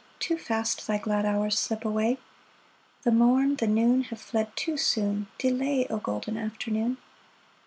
Too fast thy glad hours slip away ; The morn, the noon, Have fled too soon — Delay, O golden afternoon